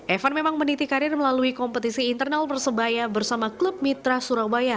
evan memang meniti karir melalui kompetisi internal persebaya bersama klub mitra surabaya